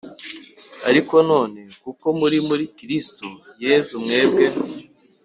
Ariko none kuko muri muri Kristo Yesu mwebwe